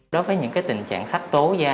đối với những tình trạng sắc tố da